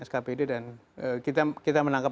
skpd dan kita menangkap